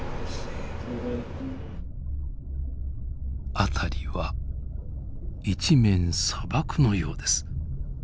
辺りは一面砂漠のようです。